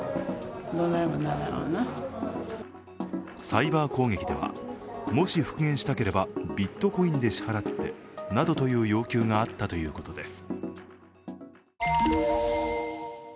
サイバー攻撃ではもし復元したければビットコインで支払ってなどという要求があったということです。